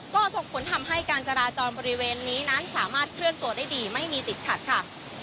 ก็ส่งผลทำให้การจราจรบริเวณนี้นั้นสามารถเคลื่อนตัวได้ดีไม่มีติดขัดค่ะ